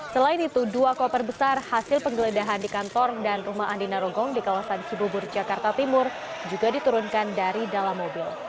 selain itu dua koper besar hasil penggeledahan di kantor dan rumah andi narogong di kawasan cibubur jakarta timur juga diturunkan dari dalam mobil